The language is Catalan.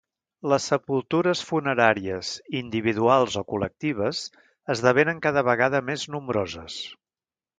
Les sepultures funeràries, individuals o col·lectives, esdevenen cada vegada més nombroses.